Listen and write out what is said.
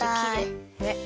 ねっ！